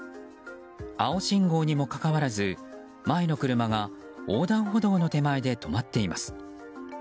青信号にもかかわらず前の車が横断歩道の手前で止まっています。